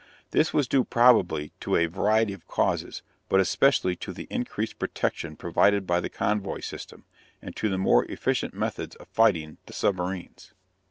This was due probably to a variety of causes, but especially to the increased protection provided by the convoy system, and to the more efficient methods of fighting the submarines.